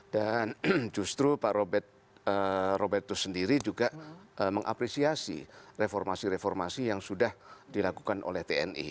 dan justru pak robertus sendiri juga mengapresiasi reformasi reformasi yang sudah dilakukan oleh tni